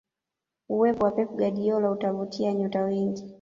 uwepo wa pep guardiola utavutia nyota wengi